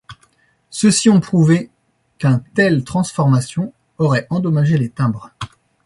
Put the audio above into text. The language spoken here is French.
Ceux-ci ont prouvé qu'un telle transformation aurait endommagé les timbres.